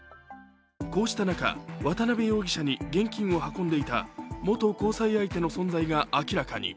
こうした中、渡辺容疑者に現金を運んでいた元交際相手の存在が明らかに。